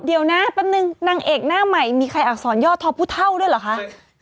เดี๋ยวนะแป๊บนึงนางเอกหน้าใหม่มีใครอักษรย่อทอผู้เท่าด้วยเหรอคะ